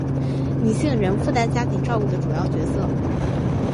女性仍负担家庭照顾的主要角色